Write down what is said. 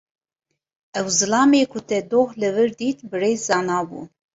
Ew zilamê ku te doh li wir dît, Birêz Zana bû.